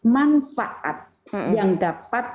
manfaat yang dapat